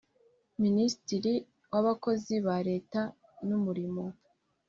minisitiri w abakozi ba leta n umurimo